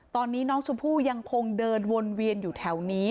ตอนนี้น้องชมพู่ยังคงเดินวนเวียนอยู่แถวนี้